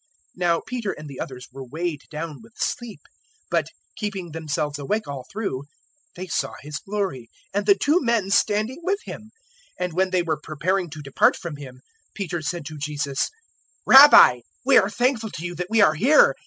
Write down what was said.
009:032 Now Peter and the others were weighed down with sleep; but, keeping themselves awake all through, they saw His glory, and the two men standing with Him. 009:033 And when they were preparing to depart from Him, Peter said to Jesus, "Rabbi, we are thankful to you that we are here.